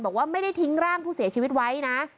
บอกว่าไม่ได้ทิ้งร่างผู้เสียชีวิตไว้นะ